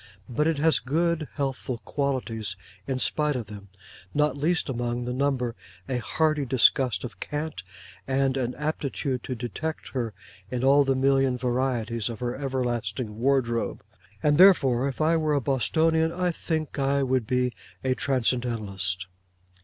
but it has good healthful qualities in spite of them; not least among the number a hearty disgust of Cant, and an aptitude to detect her in all the million varieties of her everlasting wardrobe. And therefore if I were a Bostonian, I think I would be a Transcendentalist.